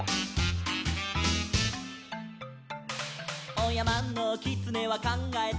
「おやまのきつねはかんがえた」